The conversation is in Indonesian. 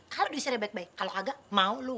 kalo diusirnya baik baik kalo kagak mau lo